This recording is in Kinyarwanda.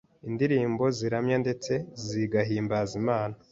indirimbo ziramya ndetse zigahimbaza Imana